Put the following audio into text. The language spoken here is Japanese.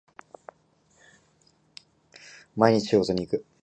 毎日仕事に行く